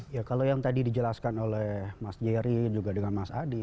ya kalau yang tadi dijelaskan oleh mas jerry juga dengan mas adi